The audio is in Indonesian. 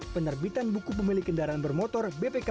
penerbitan buku pemilih kendaraan bermotor